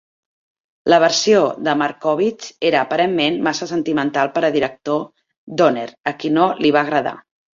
La versió de Markowitz era aparentment massa sentimental per al director Donner, a qui no li va agradar.